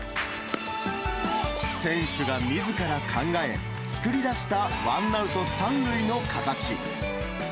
選手がみずから考え、作り出したワンアウト３塁の形。